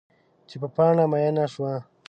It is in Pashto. چې په پاڼه میینه شوه